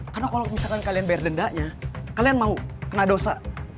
karena kalau misalkan kalian bayar dendanya kalian mau kena dosa